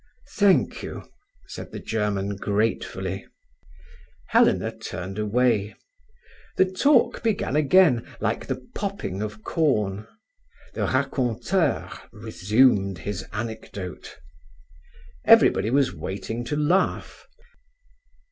"Thank you," said the German gratefully. Helena turned away. The talk began again like the popping of corn; the raconteur resumed his anecdote. Everybody was waiting to laugh.